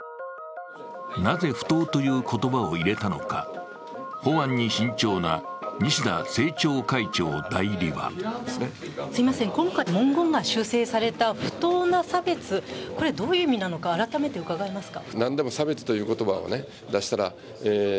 なぜ、不当という言葉を入れたのか法案に慎重な西田政調会長代理はすいません、今回文言が修正された不当な差別、これはどういう意味なのか、改めて伺えますか？